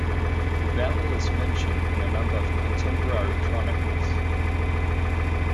The battle is mentioned in a number of contemporary chronicles.